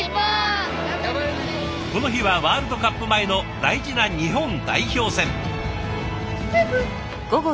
この日はワールドカップ前の大事な日本代表戦。